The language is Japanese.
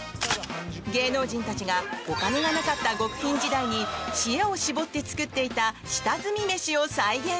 芸能人たちがお金がなかった極貧時代に知恵を絞って作っていた下積みメシを再現。